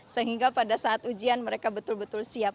sehingga pada saat ujian mereka betul betul siap